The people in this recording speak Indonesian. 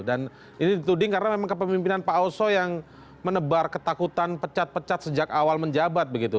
dan ini dituding karena memang kepemimpinan pak oso yang menebar ketakutan pecat pecat sejak awal menjabat begitu